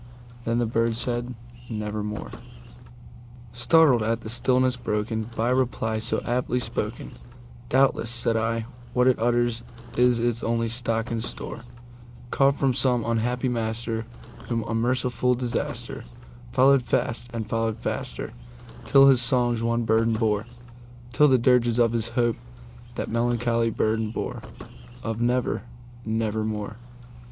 Then the bird said, "Nevermore."Startled at the stillness broken by reply so aptly spoken,"Doubtless," said I, "what it utters is its only stock and store, Caught from some unhappy master whom unmerciful DisasterFollowed fast and followed faster till his songs one burden bore:Till the dirges of his Hope that melancholy burden boreOf 'Never—nevermore.